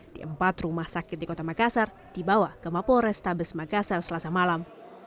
di empat rumah sakit di kota makassar dibawa ke mapol restabes makassar selasa malam